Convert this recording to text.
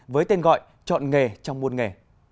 với tên gọi chọn nghề trong muôn nghề